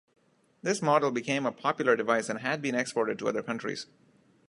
This model became a popular device and had been exported to other countries.